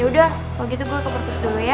yaudah kalau gitu gue ke purpose dulu ya